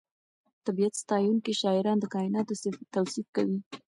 طبیعت ستایونکي شاعران د کائناتو توصیف کوي.